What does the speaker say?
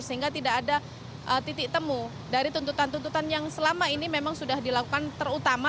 sehingga tidak ada titik temu dari tuntutan tuntutan yang selama ini memang sudah dilakukan terutama